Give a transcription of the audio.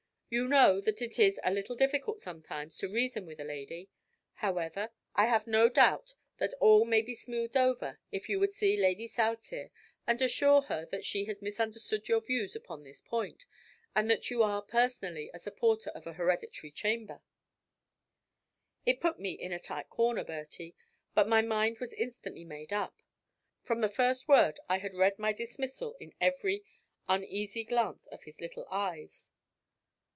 You know that it is a little difficult sometimes to reason with a lady. However, I have no doubt that all may be smoothed over if you would see Lady Saltire and assure her that she has misunderstood your views upon this point, and that you are personally a supporter of a Hereditary Chamber." It put me in a tight corner, Bertie; but my mind was instantly made up. From the first word I had read my dismissal in every uneasy glance of his little eyes.